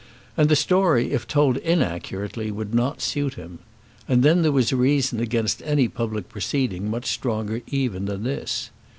And the story if told inaccurately would not suit him. And then, there was a reason against any public proceeding much stronger even than this.